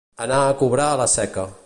Anar a cobrar a la Seca.